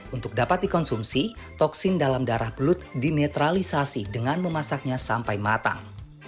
untuk dapat dikonsumsi toksin dalam darah belut dinetralisasi dengan memasaknya sampai matang